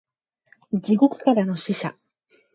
地獄からの使者